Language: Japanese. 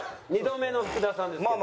２度目の福田さんですけど。